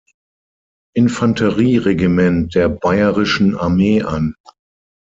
Infanterie-Regiment der Bayerischen Armee an.